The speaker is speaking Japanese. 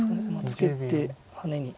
ツケてハネに。